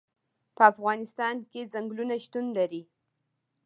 په افغانستان کې ځنګلونه شتون لري.